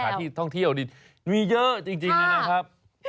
ที่ท่องเที่ยวนี่มีเยอะจริงนะครับ